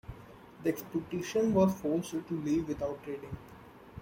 The expedition was forced to leave without trading.